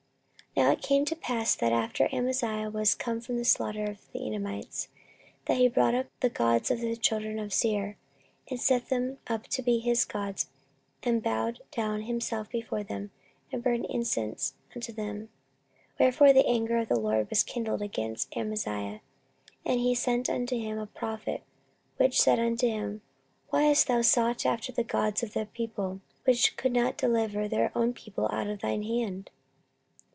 14:025:014 Now it came to pass, after that Amaziah was come from the slaughter of the Edomites, that he brought the gods of the children of Seir, and set them up to be his gods, and bowed down himself before them, and burned incense unto them. 14:025:015 Wherefore the anger of the LORD was kindled against Amaziah, and he sent unto him a prophet, which said unto him, Why hast thou sought after the gods of the people, which could not deliver their own people out of thine hand?